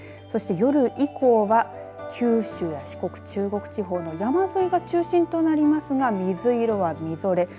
夜以降は、九州や四国中国地方の山沿いが中心となりますが水色は、みぞれ。